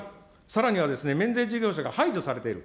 さらにはですね、免税事業者が排除されている。